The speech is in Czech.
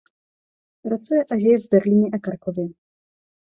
Pracuje a žije v Berlíně a Krakově.